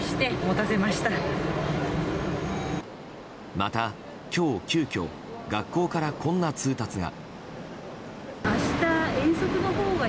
また今日、急きょ学校からこんな通達が。